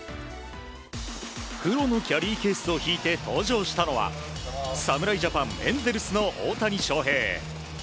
黒のキャリーケースを引いて登場したのは侍ジャパンエンゼルスの大谷翔平。